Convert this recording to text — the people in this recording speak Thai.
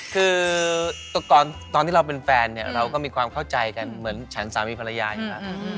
คือตอนที่เราเป็นแฟนเนี่ยเราก็มีความเข้าใจกันเหมือนฉันสามีภรรยาอยู่แล้ว